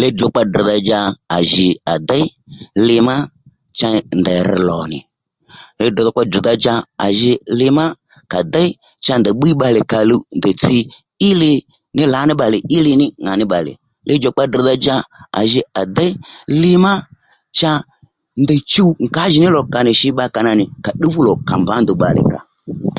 Li-djùkpa drr̀dha-dja à jì à déy li má cha ndèy rr lò nì Li-djùkpa drr̀dha-dja à jì li má ka déy cha ndèy bbíy bbalè kaòluw ndèy tsi í li ní lǎní bbalè íli ní ŋàní bbalè Li-djùkpa drr̀dha-dja à jì à déy li má cha ndèy chuw á yì mí lò à shi bba kàluw nì a tdúw fú lò kà mbǎ ndùw bbalè kàò